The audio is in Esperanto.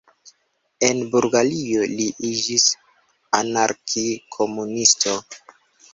En Bulgario li iĝis anarki-komunisto.